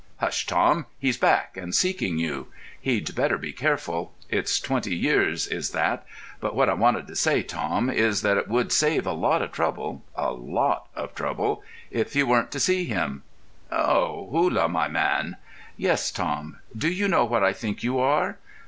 "Hush, Tom!... He's back, and seeking you. He'd better be careful; it's twenty years, is that. But what I wanted to say, Tom, is that it would save a lot of trouble—a lot of trouble—if you weren't to see him." "Ho!... Hullah, my man." "Yes, Tom." "Do you know what I think you are?"